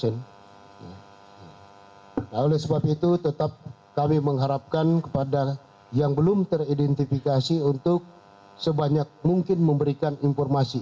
nah oleh sebab itu tetap kami mengharapkan kepada yang belum teridentifikasi untuk sebanyak mungkin memberikan informasi